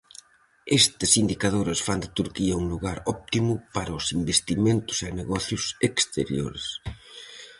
Estes indicadores fan de Turquía un lugar óptimo para os investimentos e negocios exteriores.